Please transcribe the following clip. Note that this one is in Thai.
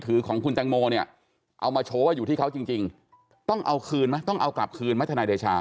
ถือของคุณแตงโมเนี่ยเอามาโชว์ว่าอยู่ที่เขาจริงต้องเอาคืนไหมต้องเอากลับคืนไหมทนายเดชา